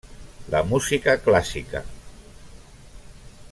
La Música Clásica.